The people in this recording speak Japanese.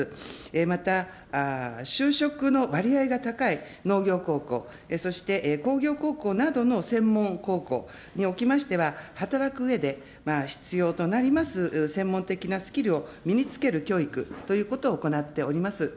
また、就職の割合が高い農業高校、そして工業高校などの専門高校におきましては、働くうえで、必要となります専門的なスキルを身につける教育ということを行っております。